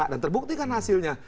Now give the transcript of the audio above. dan terbuktikan hasilnya